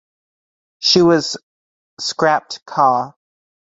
She was scrapped ca.